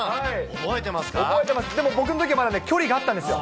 覚えてます、でも僕のときはまだね、距離があったんですよ。